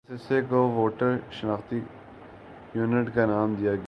اس حصہ کو ووٹر شناختی یونٹ کا نام دیا گیا ہے